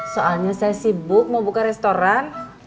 soalnya saya sibuk mau buka restoran